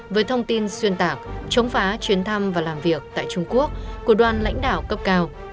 với thông tin xuyên tạc chống phá chuyến thăm và làm việc tại trung quốc của đoàn lãnh đạo cấp cao